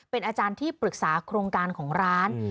เป็นอาจารย์ที่ปรึกษาโครงการของร้าน